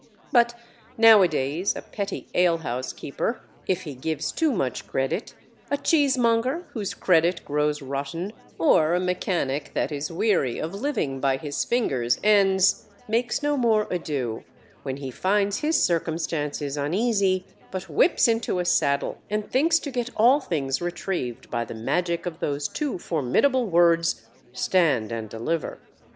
But nowadays a petty alehouse keeper, if he gives too much credit, a cheesemonger whose credit grows rotten, or a mechanic that is weary of living by his fingers ends, makes no more ado, when he finds his circumstances uneasy, but whips into a saddle and thinks to get all things retrieved by the magic of those two formidable words, _Stand and Deliver.